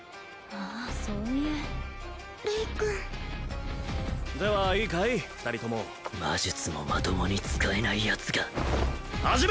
あそういうレイ君ではいいかい二人とも魔術もまともに使えないヤツが始め！